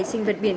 vâng em xin